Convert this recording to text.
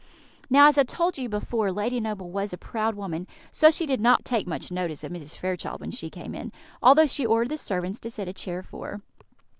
Now, as I told you before, Lady Noble was a proud woman; so she did not take much notice of Mrs. Fairchild when she came in, although she ordered the servants to set a chair for her.